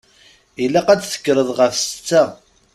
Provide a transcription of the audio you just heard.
Ilaq ad d-tekkreḍ ɣef setta.